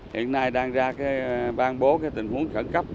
hiện nay đang ra ban bố tình huống khẩn cấp